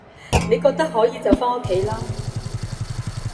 你覺得可以就返屋企啦